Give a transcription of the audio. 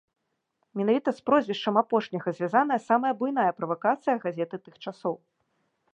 Менавіта з прозвішчам апошняга звязаная самая буйная правакацыя газеты тых часоў.